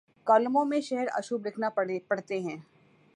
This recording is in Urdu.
کالموں میں شہر آشوب لکھنا پڑتے ہیں۔